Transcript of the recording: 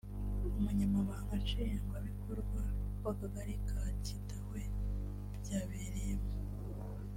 Umunyamabanga Nshingwabikorwa w’Akagari ka Kidahwe byabereyemo